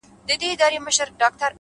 خپل قوتونه وپېژنئ.!